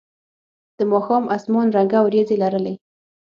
د ماښام اسمان رنګه ورېځې لرلې.